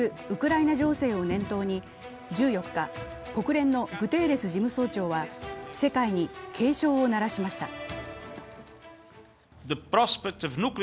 ウクライナ情勢を念頭に１４日、国連のグテーレス事務総長は世界に警鐘を鳴らしました。